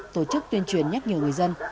tổ chức tuyên truyền nhắc nhở người dân